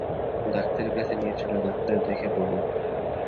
ডাক্তারের কাছে নিয়ে চলো, ডাক্তার দেখে বলুক।